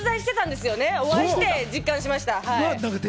お会いして実感しました。